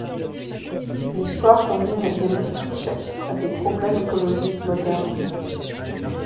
L'histoire combine des mythes tchèques à des problèmes écologiques modernes.